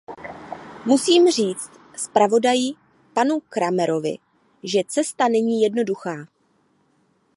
Musím říct zpravodaji panu Krahmerovi, že cesta není jednoduchá.